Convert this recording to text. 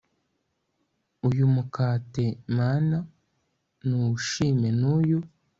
uyu mukate mana n'uwushime n'uyu